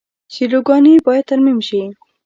سیلوګانې باید ترمیم شي.